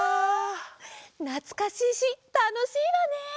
なつかしいしたのしいわね！